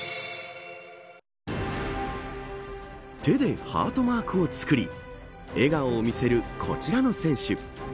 手でハートマークを作り笑顔を見せるこちらの選手。